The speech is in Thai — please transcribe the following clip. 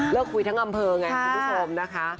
คุยทั้งอำเภอไงคุณผู้ชมนะคะ